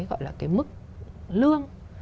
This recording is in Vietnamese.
gọi là cái mức lương